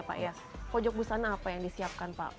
pojok busana apa yang disiapkan pak